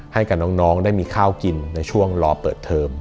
ให้กับน้องได้มีข้าวกินในช่วงรอเปิดเทอม